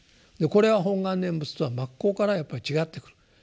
これは本願念仏とは真っ向からやっぱり違ってくる。